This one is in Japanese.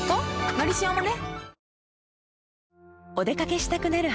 「のりしお」もね